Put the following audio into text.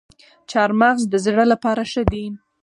چهارمغز د زړه لپاره ښه دي